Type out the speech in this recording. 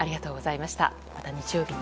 また日曜日に。